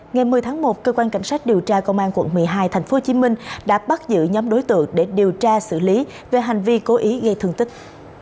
ngày một mươi tháng một cơ quan cảnh sát điều tra công an quận một mươi hai tp hcm đã bắt giữ nhóm đối tượng để điều tra xử lý về hành vi cố ý gây thương tích